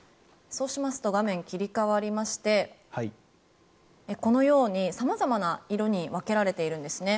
そうしますと画面が切り替わりましてこのように様々な色に分けられているんですね。